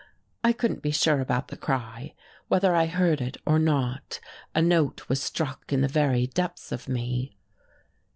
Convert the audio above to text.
I couldn't be sure about the cry, whether I heard it or not, a note was struck in the very depths of me.